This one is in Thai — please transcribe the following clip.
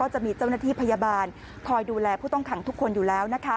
จะมีเจ้าหน้าที่พยาบาลคอยดูแลผู้ต้องขังทุกคนอยู่แล้วนะคะ